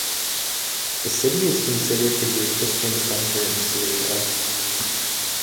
The city is considered to be a Christian center in Syria.